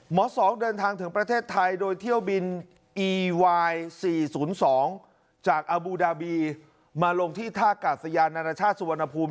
๒เดินทางถึงประเทศไทยโดยเที่ยวบินอีวาย๔๐๒จากอบูดาบีมาลงที่ท่ากาศยานานาชาติสุวรรณภูมิ